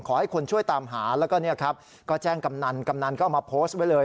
ขอให้คนช่วยตามหาแล้วก็เนี่ยครับก็แจ้งกำนันกำนันก็เอามาโพสต์ไว้เลย